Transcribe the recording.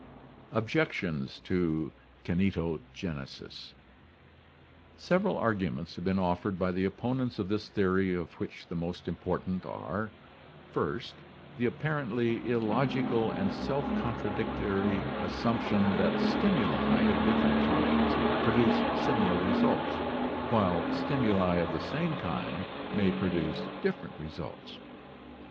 Objections to Kinetqgenesis Several arguments have been offered by the opponents of this theory of which the most important are: First, the apparently illogical and self contradictory assumption that stimuli of different kinds produce similar results, while stimuli of the same kind may produce different results.